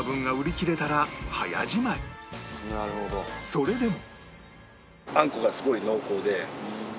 それでも